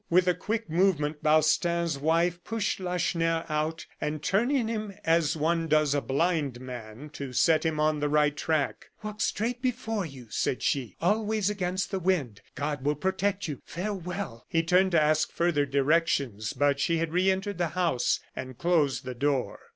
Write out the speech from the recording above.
With a quick movement Balstain's wife pushed Lacheneur out, and turning him as one does a blind man to set him on the right track: "Walk straight before you," said she, "always against the wind. God will protect you. Farewell!" He turned to ask further directions, but she had re entered the house and closed the door.